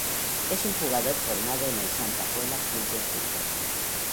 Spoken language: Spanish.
Es un jugador formado en el Santa Pola Club de Fútbol.